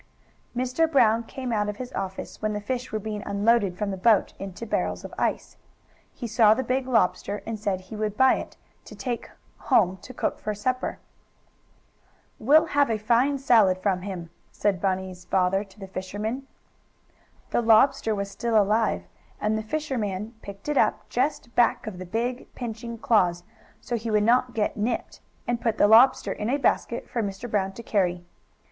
Mr. Brown came out of his office when the fish were being unloaded from the boat, into barrels of ice. He saw the big lobster and said he would buy it, to take home to cook for supper. "We'll have a fine salad from him," said Bunny's father to the fisherman. The lobster was still alive and the fisherman picked it up just back of the big, pinching claws, so he would not get nipped, and put the lobster in a basket for Mr. Brown to carry.